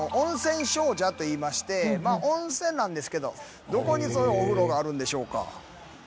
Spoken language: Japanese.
といいましてまぁ温泉なんですけどどこにそのお風呂があるんでしょうか？